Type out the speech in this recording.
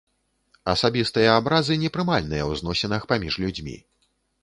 Асабістыя абразы непрымальныя ў зносінах паміж людзьмі.